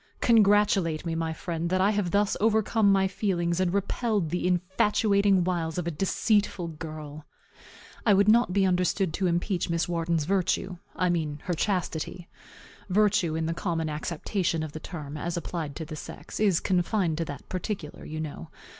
Congratulate me, my friend, that I have thus overcome my feelings, and repelled the infatuating wiles of a deceitful girl. I would not be understood to impeach Miss Wharton's virtue; I mean her chastity. Virtue, in the common acceptation of the term, as applied to the sex, is confined to that particular, you know.